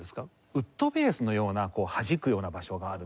ウッドベースのようなはじくような場所があるんですね。